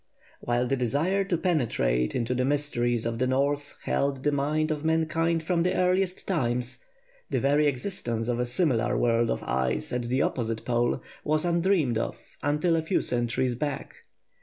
While the desire to penetrate into the mysteries of the North held the mind of mankind from the earliest times, the very existence of a similar world of ice, at the opposite pole, was undreamed of until a few centuries back.